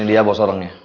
ini dia bos orangnya